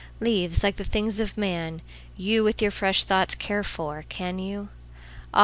Leáves, líke the things of man, youWith your fresh thoughts care for, can you? Áh!